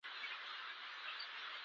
فراه د افغانستان لوېدیځ ولایت دی